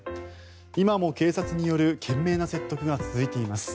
今も警察による懸命な説得が続いています。